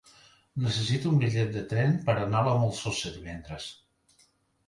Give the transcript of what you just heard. Necessito un bitllet de tren per anar a la Molsosa divendres.